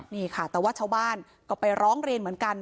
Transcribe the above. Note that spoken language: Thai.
นี่ค่ะแต่ว่าชาวบ้านก็ไปร้องเรียนเหมือนกัน